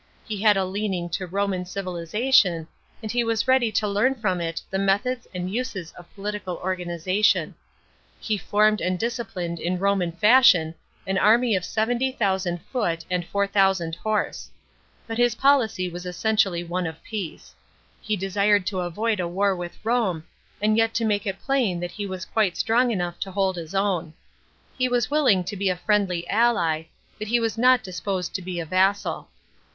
He had a leaning to I toman civilisation, and he was ready to learn from it the methods and uses of political organisation. He formed and 132 WINNING AND LOSING OF GERMANY. CHAP. rx. disciplined in Roman fashion an army of 70,000 foot and 4000 horse. But his policy was essentially one of peace. He desired to avoid a war with Rome, and yet to make it plain that he was quite strong enough to hold his own. He was willing to be a friendly ally, but he was not disposed to be a vassal.